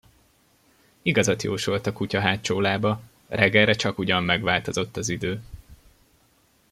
Igazat jósolt a kutya hátsó lába: reggelre csakugyan megváltozott az idő.